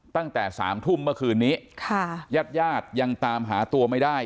ตั้งแต่สามทุ่มเมื่อคืนนี้ค่ะญาติญาติยังตามหาตัวไม่ได้